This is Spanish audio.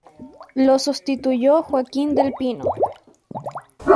Lo sustituyó Joaquín del Pino.